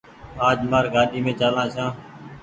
آج مآر گآڏي مين چآلآن ڇآن۔